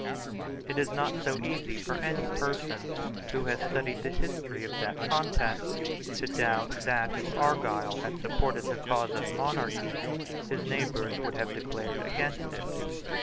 It is not easy for any person who has studied the history of that contest to doubt that, if Argyle had supported the cause of monarchy, his neighbours would have declared against it.